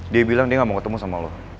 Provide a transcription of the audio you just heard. dia bilang dia gak mau ketemu sama allah